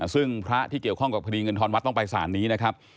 ซึ่งพระที่เกี่ยวข้องกับคดีเงินทอนวัดต้องไปสารนี้นะครับ